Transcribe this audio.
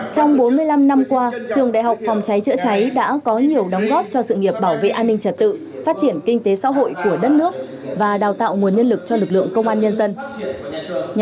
trong bốn mươi năm năm qua trường đại học phòng cháy chữa cháy đã có nhiều đóng góp cho sự nghiệp bảo vệ an ninh trật tự phát triển kinh tế xã hội của đất nước và đào tạo nguồn nhân lực cho lực lượng công an nhân dân